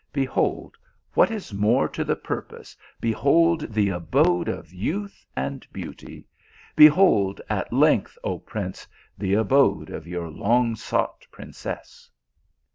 Behold, what is more to the purpose, behold the abode of youth and beauty, behold, at length, oh prince, the abode of your long sought princess."